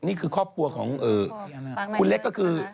นี่คือครอบครัวของคุณเล็กก็คือ